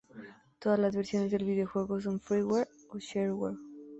Todas las versiones del videojuego son freeware o shareware.